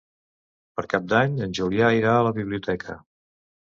Per Cap d'Any en Julià irà a la biblioteca.